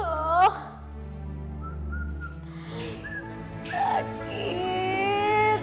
seorang laki laki open cow